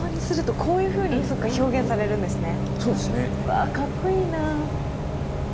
わあかっこいいな。